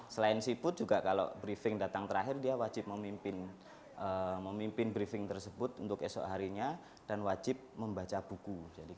selain siput juga kalau briefing datang terakhir dia wajib memimpin briefing tersebut untuk esok harinya dan wajib membaca buku